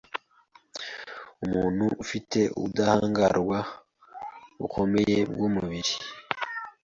Umuntu ufite ubudahangarwa bukomeye bw’umubiri